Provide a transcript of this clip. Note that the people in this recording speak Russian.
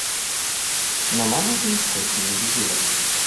Но маму это нисколько не убедило.